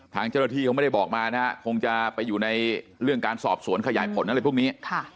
ทางเจ้าหน้าที่เขาไม่ได้บอกมานะฮะคงจะไปอยู่ในเรื่องการสอบสวนขยายผลอะไรพวกนี้